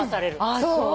あっそう。